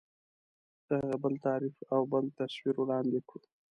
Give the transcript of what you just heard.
د هغې بل تعریف او بل تصویر وړاندې کړو.